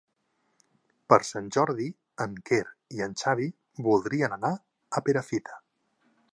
Per Sant Jordi en Quer i en Xavi voldrien anar a Perafita.